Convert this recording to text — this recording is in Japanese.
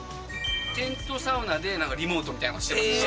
テントサウナでリモートみたいなのしてたよね。